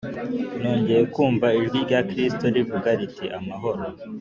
nongeye kumva ijwi rya kristo rivuga riti: "amahoro!"